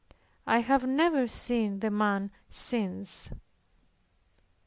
I have never seen the man since.